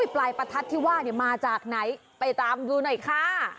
ปลายประทัดที่ว่ามาจากไหนไปตามดูหน่อยค่ะ